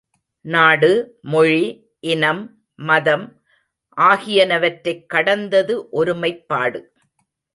நாடு, மொழி, இனம், மதம் ஆகியனவற்றைக் கடந்தது ஒருமைப்பாடு.